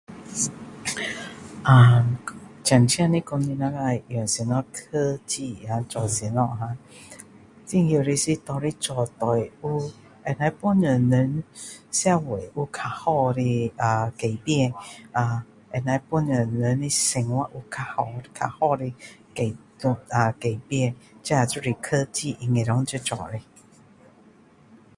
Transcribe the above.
呃真正的讲你们要用什么科技做什么啊重要的是拿来做对有会能够帮助人社会有较好的啊改变啊能够帮助人的生活有较好较好的改改变这就是科技应该要做的